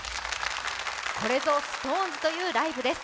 これぞＳｉｘＴＯＮＥＳというライブです。